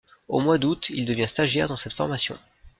Au mois d'août, il devient stagiaire dans cette formation.